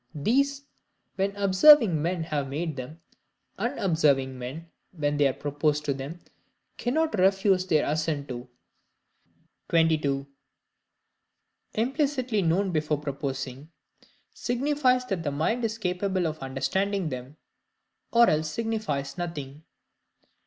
These, when observing men have made them, unobserving men, when they are proposed to them cannot refuse their assent to. 22. Implicitly known before proposing, signifies that the Mind is capable of understanding them, or else signifies nothing.